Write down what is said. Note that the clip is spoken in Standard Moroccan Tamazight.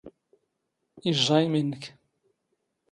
ⵉⵊⵊⴰ ⵉⵎⵉ ⵏⵏⴽ.